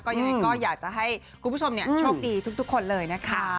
ยังไงก็อยากจะให้คุณผู้ชมโชคดีทุกคนเลยนะคะ